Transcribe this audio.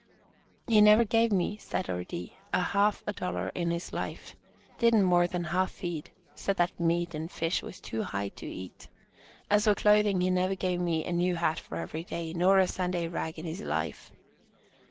"He never gave me," said Ordee, "a half a dollar in his life. Didn't more than half feed, said that meat and fish was too high to eat. As for clothing, he never gave me a new hat for every day, nor a Sunday rag in his life."